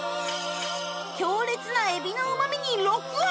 強烈なエビのうま味にロックオン！